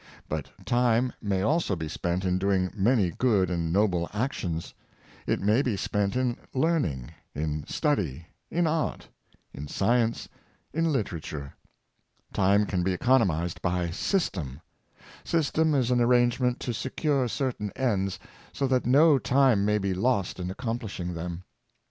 But time may also be spent in doing many good and noble actions. It may be spent in learning, in study, in art, in science, in literature. Time can be economized by system. System is an arrangernent to secure certain ends, so that no time may be lost in accomplishing them.